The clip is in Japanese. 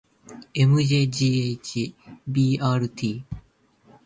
ｍｊｇｈｂｒｔ